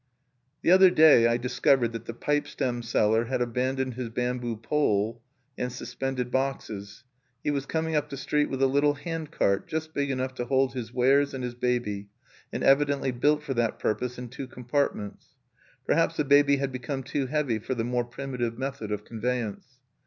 The other day I discovered that the pipe stem seller had abandoned his bamboo pole and suspended boxes. He was coming up the street with a little hand cart just big enough to hold his wares and his baby, and evidently built for that purpose in two compartments. Perhaps the baby had become too heavy for the more primitive method of conveyance.